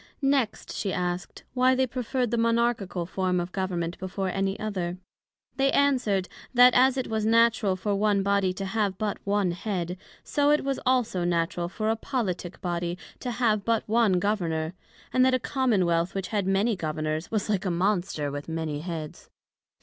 Next, she asked, Why they preferred the Monarchical form of Government before any other? They answered, That as it was natural for one Body to have but one Head, so it was also natural for a Politick body to have but one Governor; and that a Common wealth, which had many Governors was like a Monster with many Heads.